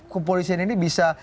kepolisian ini bisa